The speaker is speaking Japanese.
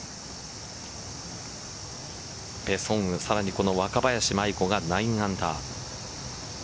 ペ・ソンウさらに若林舞衣子が９アンダー。